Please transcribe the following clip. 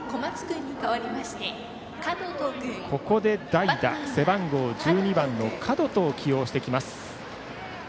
ここで代打、背番号１２番の角戸を起用します。